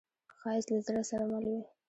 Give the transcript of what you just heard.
ښایست له زړه سره مل وي